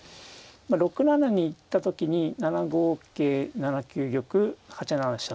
６七に行った時に７五桂７九玉８七飛車